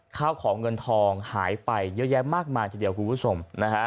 ข้าวของเงินทองหายไปเยอะแยะมากมายทีเดียวคุณผู้ชมนะฮะ